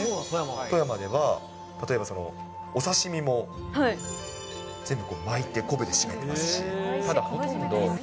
富山では例えば、お刺身も全部巻いて昆布で締めてますし。